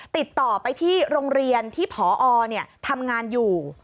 ติดต่อไปที่โรงเรียนที่พอทำงานอยู่